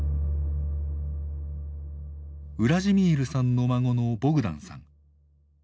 ウラジミールさんの孫のボグダンさん。